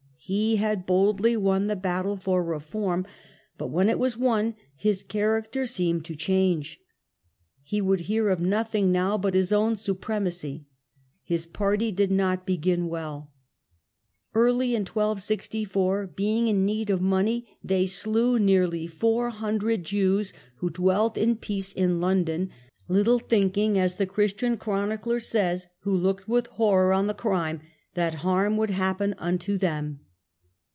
He had boldly won the battle for reform, but when it was won his character seemed to change. He would hear of nothing now but his own supremacy. His party did not begin well. Early in 1 264, being in need of money, they slew nearly four hundred 'Jews who dwelt in peace in London, "little thinking (as the Chris tian chronicler says, who looked with horror on the crime), that harm would happen unto them